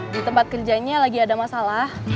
di tempat kerjanya lagi ada masalah